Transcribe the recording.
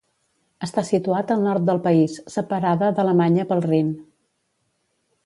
Està situat al nord del país, separada d'Alemanya pel Rin.